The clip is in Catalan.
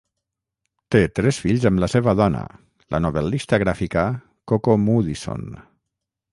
Té tres fills amb la seva dona, la novel·lista gràfica Coco Moodysson.